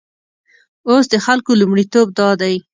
اوس د خلکو لومړیتوب دادی.